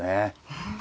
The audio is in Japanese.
うん。